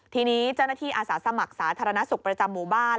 ทีนี้เจ้าหน้าที่อาสาสมัครสาธารณสุขประจำหมู่บ้าน